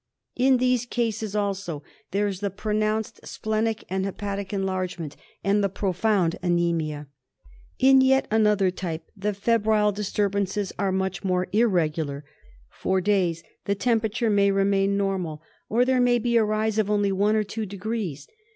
In these cases also there is the pronounced splenic and hepatic enlargement and the pro y found anaemia. In yet another type the febrile disturbances are much^ more irregular. For days the temperature may remaini normal, or there may be a rise of only one or two degrees.'